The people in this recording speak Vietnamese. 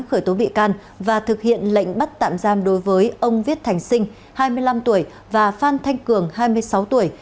khởi tố bị can và thực hiện lệnh bắt tạm giam đối với ông viết thành sinh hai mươi năm tuổi và phan thanh cường hai mươi sáu tuổi